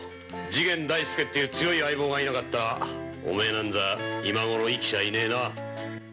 次元大介っていう強い相棒がいなかったらおめえなんぞ今頃、生きちゃいねえな。